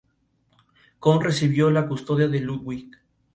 Se distribuye por el sudoeste de Costa Rica.